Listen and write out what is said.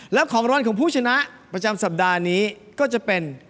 แล้วของร้อนของผู้ชนะประจำสัปดาห์นี้ก็จะเป็น